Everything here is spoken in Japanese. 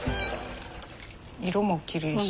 色もきれいし。